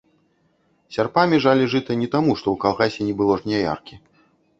Сярпамі жалі жыта не таму, што ў калгасе не было жняяркі.